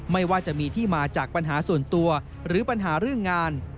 ไม่ว่าจะมีที่มาจากปัญหาส่วนตัวหรือปัญหาเรื่องงาน